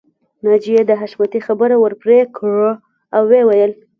ناجیې د حشمتي خبره ورپرې کړه او ويې ويل